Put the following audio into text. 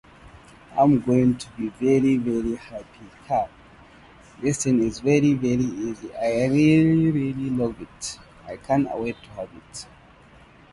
They managed to secure agreements of friendship from the British government.